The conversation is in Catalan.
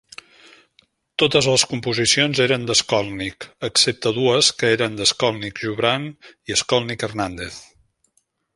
Totes les composicions eren de Skolnick, excepte dues que eren de Skolnick-Joubran i Skolnick-Hernandez.